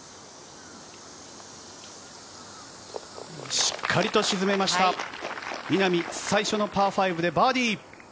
しっかりと沈めました、稲見、最初のパー５でバーディー。